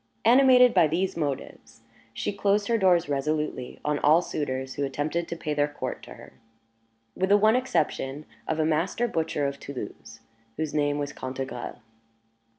Animated by these motives, she closed her doors resolutely on all suitors who attempted to pay their court to her, with the one exception of a master butcher of Toulouse, whose name was Cantegrel.